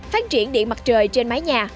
phát triển điện mặt trời trên mái nhà